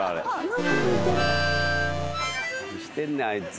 何してんねんあいつ。